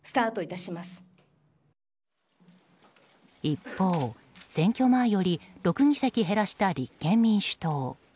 一方、選挙前より６議席減らした立憲民主党。